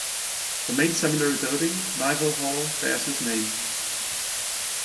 The main seminary building, Nyvall hall, bears his name.